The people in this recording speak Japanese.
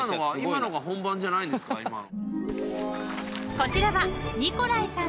［こちらは］